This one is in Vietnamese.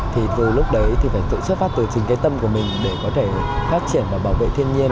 vì lúc đấy thì phải tự xuất phát tự trình cái tâm của mình để có thể phát triển và bảo vệ thiên nhiên